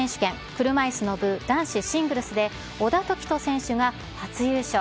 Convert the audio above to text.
車いすの部男子シングルスで、小田凱人選手が初優勝。